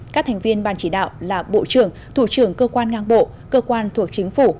các thành viên ban chỉ đạo là bộ trưởng thủ trưởng cơ quan ngang bộ cơ quan thuộc chính phủ